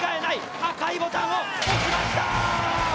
赤いボタンを押しました。